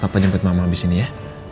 papa jemput mama abis ini ya